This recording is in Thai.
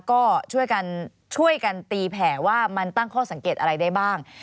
ก็ช่วยกันช่วยกันตีแผ่ว่ามันตั้งข้อสังเกตอะไรได้บ้าง